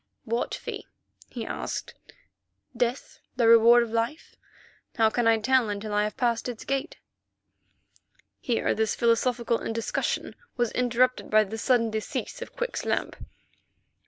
"What fee?" he asked. "Death, the reward of Life? How can I tell until I have passed its gate?" Here this philosophical discussion was interrupted by the sudden decease of Quick's lamp.